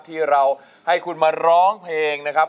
ที่เราให้คุณมาร้องเพลงนะครับ